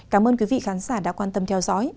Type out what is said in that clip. cảm ơn quý vị khán giả đã quan tâm theo dõi